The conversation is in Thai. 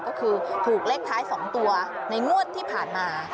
ก็คือถูกเลขท้าย๒ตัวในงวดที่ผ่านมา